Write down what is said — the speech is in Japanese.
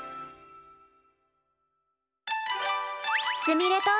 すみれと。